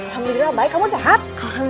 alhamdulillah baik kamu sehat